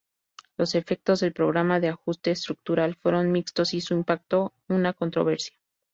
Los efectos del programa de ajuste estructural fueron mixtos y su impacto una controversia.